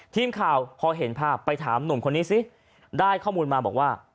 ทีมข่าวพอเห็นภาพไปถามหนุ่มคนนี้ซิได้ข้อมูลมาบอกว่า